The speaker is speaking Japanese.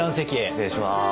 失礼します。